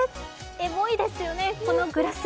エモいですよね、このグラス。